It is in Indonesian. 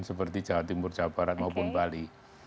seperti jawa timur jawa barat maupun bali